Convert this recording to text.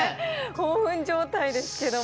興奮状態ですけども。